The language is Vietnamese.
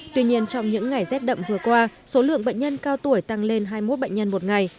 tuy nhiên trong những ngày rét đậm vừa qua số lượng bệnh nhân cao tuổi tăng lên hai mươi một bệnh nhân một ngày